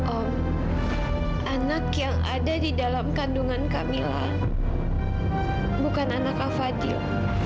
om anak yang ada di dalam kandungan kamilah bukan anak kak fadil